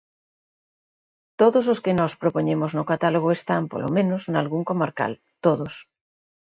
Todos os que nós propoñemos no catálogo están, polo menos, nalgún comarcal; todos.